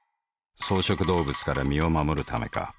草食動物から身を護るためか。